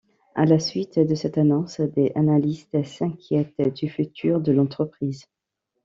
À la suite de cette annonce, des analystes s'inquiètent du futur de l'entreprise.